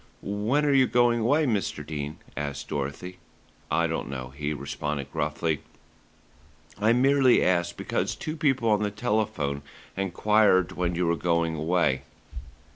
"When are you going away, Mr. Dene?" asked Dorothy. "I don't know," he responded gruffly. "I merely asked because two people on the telephone enquired when you were going away."